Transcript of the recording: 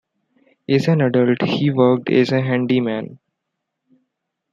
As an adult, he worked as a handyman.